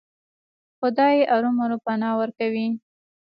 خدای ارومرو پناه ورکوي.